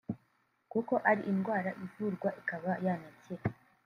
kuko ari indwara ivurwa ikaba yanakira